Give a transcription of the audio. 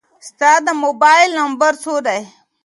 ستا د موبایل نمبر څو دی؟